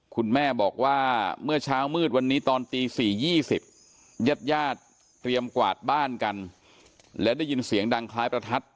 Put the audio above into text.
คุณแม่บอกว่าเมื่อเช้ามืดวันนี้ตอนตี๔๒๐ญาติญาติเตรียมกวาดบ้านกันและได้ยินเสียงดังคล้ายประทัด